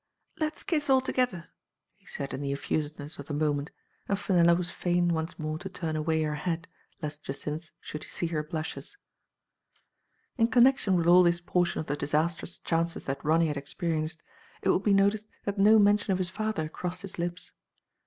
''Let's kiss altogether,*' he said in the effusiveness of the moment, and Fenella was fain once more to turn away her head lest Jacynth should see her blushes. In connection with all this portion of the disas trous chances that Ronny had experienced, it will be noticed that no mention of his father crossed his lips.